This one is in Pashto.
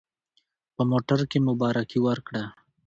په موټر کې مبارکي ورکړه.